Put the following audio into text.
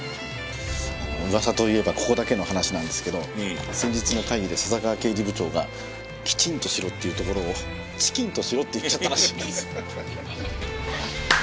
あの噂といえばここだけの話なんですけど先日の会議で笹川刑事部長が「きちんとしろ」って言うところを「ちきんとしろ」って言っちゃったらしいんです。